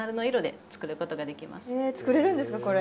作れるんですかこれ。